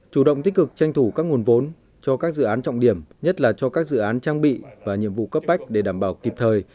chủ động tích cực tranh thủ các nguồn vốn cho các dự án trọng điểm nhất là cho các dự án trang bị và nhiệm vụ cấp bách để đảm bảo kịp thời